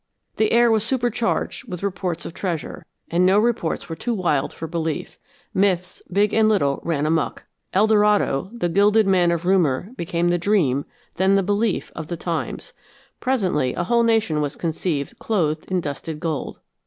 The air was supercharged with reports of treasure, and no reports were too wild for belief; myths, big and little, ran amuck. El Dorado, the gilded man of rumor, became the dream, then the belief, of the times; presently a whole nation was conceived clothed in dusted gold.